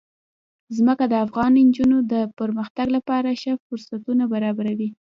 ځمکه د افغان نجونو د پرمختګ لپاره ښه فرصتونه برابروي.